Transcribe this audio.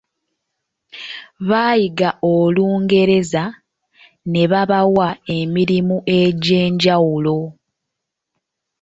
Bayiga Olungereza ne babawa emirimu egy’enjawulo.